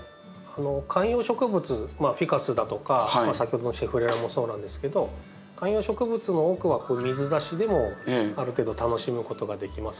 観葉植物フィカスだとか先ほどのシェフレラもそうなんですけど観葉植物の多くはこういう水ざしでもある程度楽しむことができます。